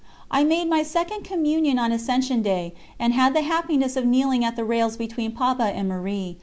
I made my second Communion on Ascension Day, and had the happiness of kneeling at the rails between Papa and Marie.